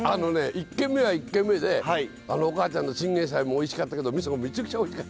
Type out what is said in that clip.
１軒目は１軒目であのおかあちゃんのチンゲンサイもおいしかったけどみそもめちゃくちゃおいしかった。